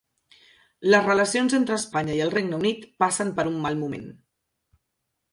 Les relacions entre Espanya i el Regne Unit passen per un mal moment